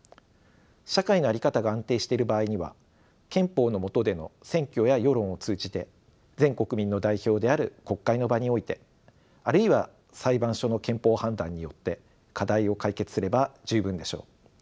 社会の在り方が安定している場合には憲法のもとでの選挙や世論を通じて全国民の代表である国会の場においてあるいは裁判所の憲法判断によって課題を解決すれば十分でしょう。